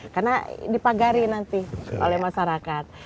karena dipagari nanti oleh masyarakat